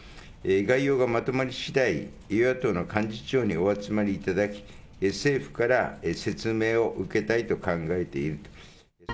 概要がまとまりしだい、与野党の幹事長にお集まりいただき、政府から説明を受けたいと考えていると。